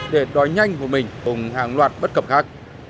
để đòi nhanh của mình cùng hàng loạt bất cập khác